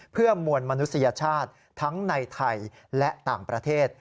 เพื่อมวลมนุษยชาติทั้งในไทยและต่างประเทศ